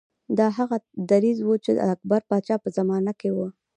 دا هغه دریځ و چې د اکبر پاچا په زمانه کې و.